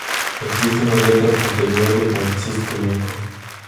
Existe una letra posterior de Francisco Bianco.